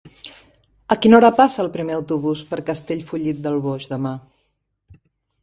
A quina hora passa el primer autobús per Castellfollit del Boix demà?